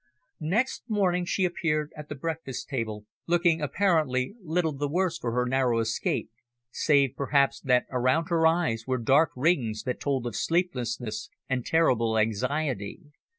Next morning she appeared at the breakfast table, looking apparently little the worse for her narrow escape, save perhaps that around her eyes were dark rings that told of sleeplessness and terrible anxiety.